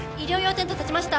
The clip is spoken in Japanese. テント立ちました